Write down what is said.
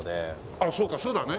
あらそうかそうだね。